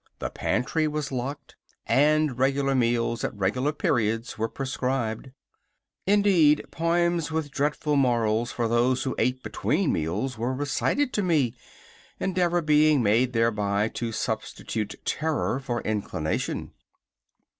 The pantry was locked, and regular meals at regular periods were prescribed. Indeed, poems with dreadful morals for those who ate between meals were recited to me, endeavor being made thereby to substitute terror for inclination.